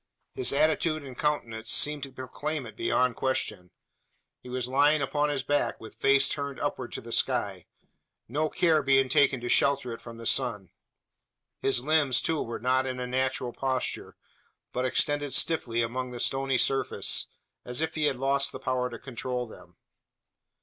His attitude and countenance seemed to proclaim it beyond question. He was lying upon his back, with face upturned to the sky no care being taken to shelter it from the sun. His limbs, too, were not in a natural posture; but extended stiffly along the stony surface, as if he had lost the power to control them.